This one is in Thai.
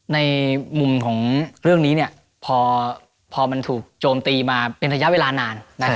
ในมุมของเรื่องนี้พอมันถูกโจมตีมาเป็นระยะเวลานาน